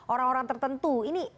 orang orang tertentu ini